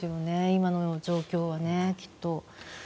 今の状況はね、きっと。